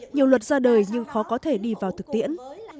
nhiều luật ra đời nhưng khó có thể đi vào thực tiễn